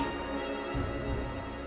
pak bobi pak